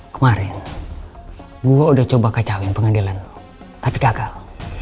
kemarin gue udah coba kacauin pengadilan tapi gagal